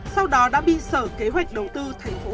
sau đó đã bị sở kế hoạch đầu tư thành phố